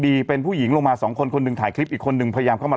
เป็นผู้หญิงลงมาสองคนคนหนึ่งถ่ายคลิปอีกคนนึงพยายามเข้ามา